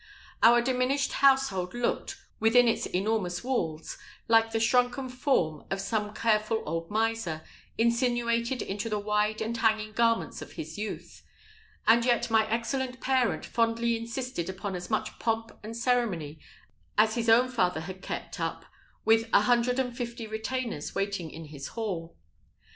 Our diminished household looked, within its enormous walls, like the shrunken form of some careful old miser, insinuated into the wide and hanging garments of his youth; and yet my excellent parent fondly insisted upon as much pomp and ceremony as his own father had kept up with a hundred and fifty retainers waiting in his hall.